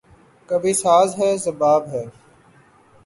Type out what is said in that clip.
کبھی ساز ہے، رباب ہے